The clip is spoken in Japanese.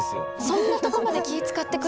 そんなとこまで気遣ってくれるの？